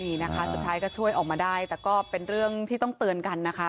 นี่นะคะสุดท้ายก็ช่วยออกมาได้แต่ก็เป็นเรื่องที่ต้องเตือนกันนะคะ